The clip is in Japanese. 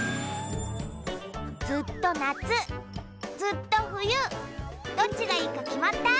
ずっとなつずっとふゆどっちがいいかきまった？